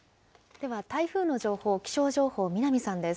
では、台風の情報、気象情報、南さんです。